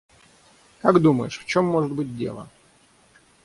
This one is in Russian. Как думаешь, в чём может быть дело?